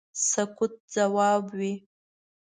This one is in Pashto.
سکوت کله ځواب وي.